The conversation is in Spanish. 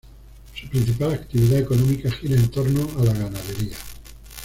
Su principal actividad económica gira en torno a la ganadería.